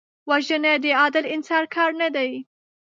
وژنه د عادل انسان کار نه دی